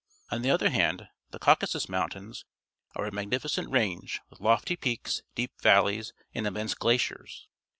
On the other hand, the Cauaisus Mountains are a magni ficent range, with lofty peaks, deep vallej's, and immense glaciers.